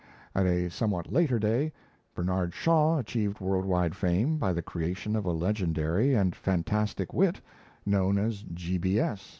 At a somewhat later day, Bernard Shaw achieved world wide fame by the creation of a legendary and fantastic wit known as "G.